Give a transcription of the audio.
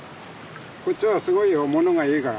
こっちはすごいよものがいいから。